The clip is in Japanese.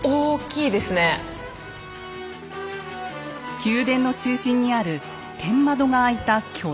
宮殿の中心にある天窓が開いた巨大なホール。